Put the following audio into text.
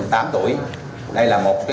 chúng ta tập trung giải quyết